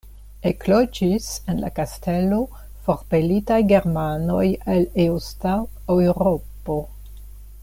Ekloĝis en la kastelo forpelitaj germanoj el Eosta Eŭropo.